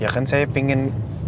ya kan saya pengen